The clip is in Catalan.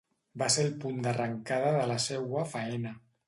Va ser el punt d'arrancada de la seua faena.